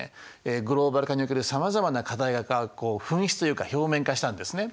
グローバル化におけるさまざまな課題が噴出というか表面化したんですね。